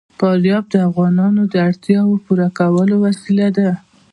فاریاب د افغانانو د اړتیاوو د پوره کولو وسیله ده.